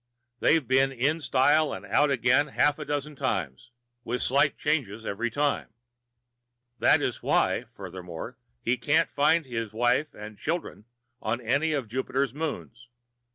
They've been in style and out again half a dozen times, with slight changes each time. That is why, furthermore, he can't find his wife and children on any of Jupiter's moons.